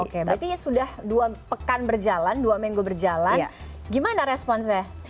oke berarti sudah dua pekan berjalan dua minggu berjalan gimana responsnya